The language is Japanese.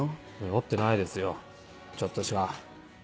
酔ってないですよちょっとしか。